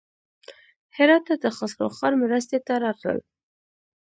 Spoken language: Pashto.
هراته د خسروخان مرستې ته راتلل.